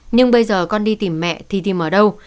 nhưng bây giờ con đi tìm mẹ thì tìm ở đâu